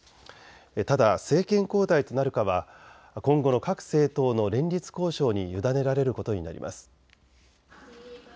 ただ政権交代となるかは今後の各政党の連立交渉に委ねられることになります。